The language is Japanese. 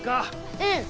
うん。